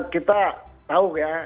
kita tahu ya